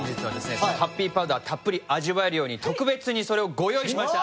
そのハッピーパウダーたっぷり味わえるように特別にそれをご用意しました。